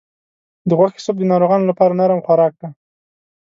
د غوښې سوپ د ناروغانو لپاره نرم خوراک دی.